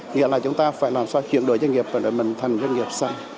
nghĩa là chúng ta phải làm sao chuyển đổi doanh nghiệp của mình thành doanh nghiệp xanh